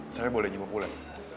saya boleh njembok ulan